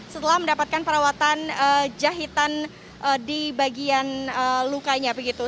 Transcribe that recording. setelah mendapatkan perawatan jahitan di bagian lukanya begitu